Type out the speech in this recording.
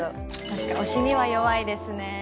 確かに押しには弱いですね。